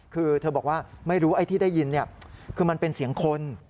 คือเธอบอกว่าไม่รู้ไอ้ที่ได้ยินคือมันเป็นเสียงคน